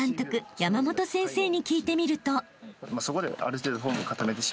山本先生に聞いてみると］